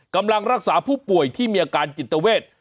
กำลังรักษาผู้ป่วยที่มีอาการจิตเวท